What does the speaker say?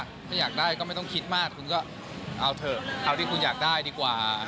ถ้าอยากได้ก็ไม่ต้องคิดมากคุณก็เอาเถอะเอาที่คุณอยากได้ดีกว่า